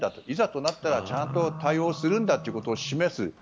いざとなったら、ちゃんと対応するんだということを示す。